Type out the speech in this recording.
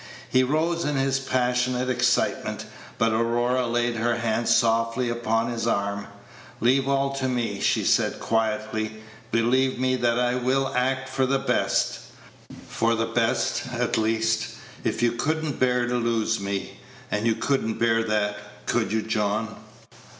He rose in his passionate excitement, but Aurora laid her hand softly upon his arm. "Leave all to me," she said, quietly. "Believe me that I will act for the best. For the best, at least, if you could n't bear to lose me; and you could n't bear that, could you, John?"